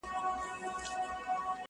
خیالي ځوانان راباندي مري خونکاره سومه٫